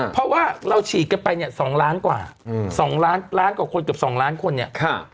เพราะว่าเราฉีดกันไปเนี่ย๒ล้านกว่า๒ล้านล้านกว่าคนเกือบ๒ล้านคนเนี่ย